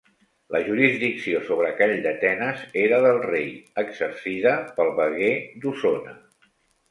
La jurisdicció sobre Calldetenes era del rei, exercida pel veguer d'Osona.